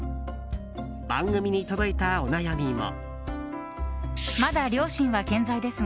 番組に届いたお悩みも。